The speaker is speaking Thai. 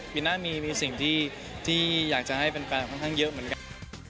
ปีหน้ามีสิ่งที่อยากจะให้แฟนค่อนข้างเยอะเหมือนกัน